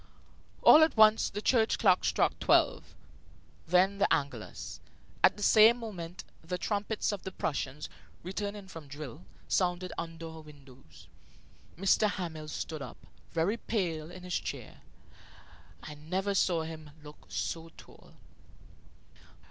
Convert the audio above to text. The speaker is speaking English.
All at once the church clock struck twelve. Then the Angelus. At the same moment the trumpets of the Prussians, returning from drill, sounded under our windows. M. Hamel stood up, very pale, in his chair. I never saw him look so tall.